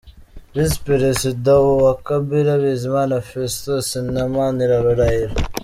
Visi-Perezida wa kabiri: Bizimana Festus na Manirarora Elie.